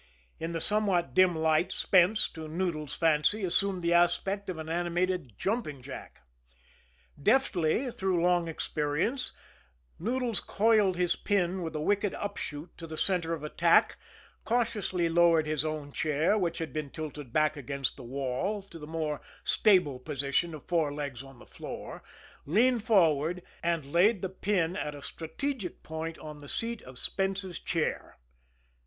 In the somewhat dim light, Spence, to Noodles' fancy, assumed the aspect of an animated jumping jack. Deftly, through long experience, Noodles coiled his pin with a wicked upshoot to the center of attack, cautiously lowered his own chair, which had been tilted back against the wall, to the more stable position of four legs on the floor, leaned forward, and laid the pin at a strategic point on the seat of Spence's chair.